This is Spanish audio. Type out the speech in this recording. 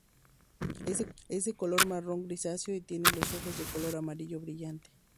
Es de color marrón grisáceo y tiene los ojos de color amarillo brillante.